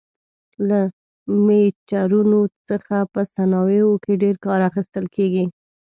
له میټرونو څخه په صنایعو کې ډېر کار اخیستل کېږي.